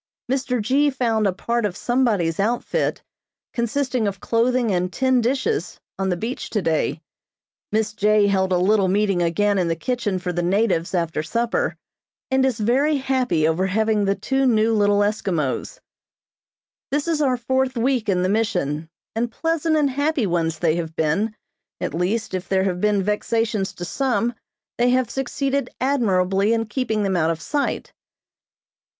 Mr. G. found a part of somebody's outfit, consisting of clothing and tin dishes, on the beach today. Miss J. held a little meeting again in the kitchen for the natives after supper, and is very happy over having the two new little Eskimos. This is our fourth week in the Mission, and pleasant and happy ones they have been, at least, if there have been vexations to some, they have succeeded admirably in keeping them out of sight.